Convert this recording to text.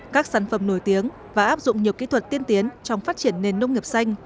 các sản phẩm nổi tiếng và áp dụng nhiều kỹ thuật tiên tiến trong phát triển nền nông nghiệp xanh